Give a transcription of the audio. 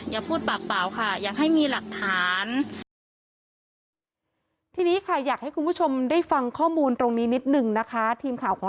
พูดปากเปล่าค่ะอยากให้มีหลักฐาน